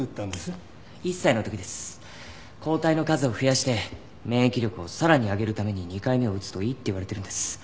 抗体の数を増やして免疫力をさらに上げるために２回目を打つといいっていわれてるんです。